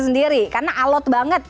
sendiri karena alot banget